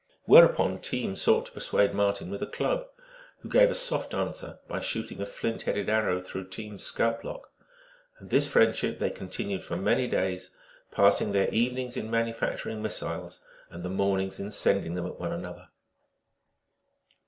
Whereupon Team sought to persuade Marten with a club, who gave a soft answer by shooting a flint headed arrow through Team s scalp lock ; and this friendship they continued for many days, passing their evenings in manufactur ing missiles, and the mornings in sending them one at the other.